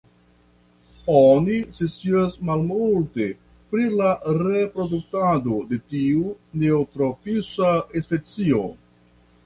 Oni scias malmulte pri la reproduktado de tiu neotropisa specio.